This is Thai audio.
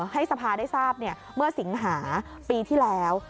ให้สภาได้ทราบเมื่อสิงหาปีที่แล้ว